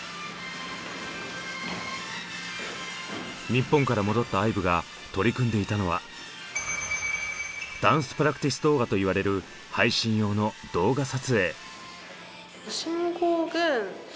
日本から戻ったＩＶＥが取り組んでいたのはダンスプラクティス動画と言われる配信用の動画撮影。